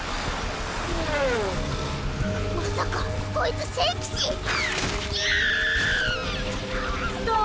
まさかこいつ聖騎士⁉ぎゃあ！